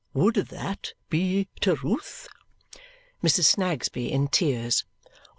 would THAT be Terewth?" Mrs. Snagsby in tears.